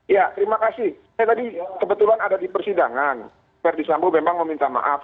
ya terima kasih saya tadi kebetulan ada di persidangan ferdis sambo memang meminta maaf